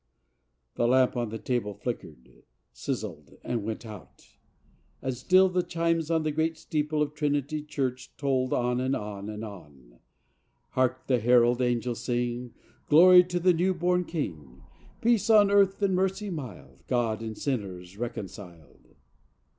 " The lamp on the table flickered, sizzled, and went out, and still the chimes on the great steeple of Trinity Church tolled on and on and on: " Hark ! the herald angels sing Glory to the new born King; Peace on earth and mercy mild, God and sinners reconciled